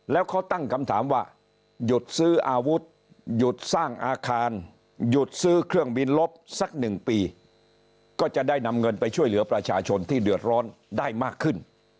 แล้วเขาตั้งคำถามว่าหยุดซื้ออาวุธหยุดสร้างอาคารหยุดซื้อเครื่องบินลบสักหนึ่งปีก็จะได้นำเงินไปช่วยเหลือประชาชนที่เดือดร้อนได้มากขึ้น